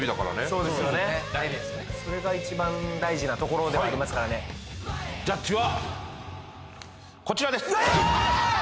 それが一番大事なところではありますからねＪＵＤＧＥはこちらですええー！